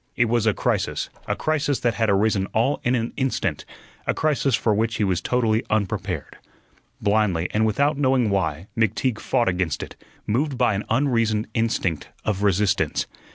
It was a crisis a crisis that had arisen all in an instant; a crisis for which he was totally unprepared. Blindly, and without knowing why, McTeague fought against it, moved by an unreasoned instinct of resistance.